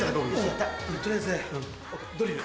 取りあえずドリル。